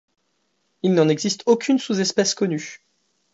Il n'en existe aucune sous-espèce connue.